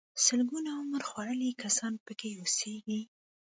سلګونه عمر خوړلي کسان پکې اوسيږي.